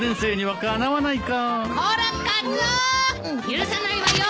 許さないわよ